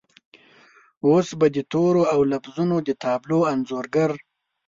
اوس به د تورو او لفظونو د تابلو انځورګر